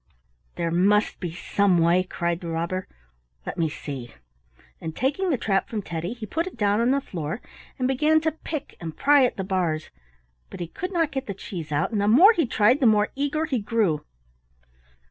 "There must be some way," cried the robber. "Let me see," and taking the trap from Teddy he put it down on the floor and began to pick and pry at the bars, but he could not get the cheese out, and the more he tried the more eager he grew.